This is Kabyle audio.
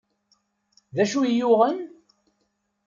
D acu i iyi-yuɣen?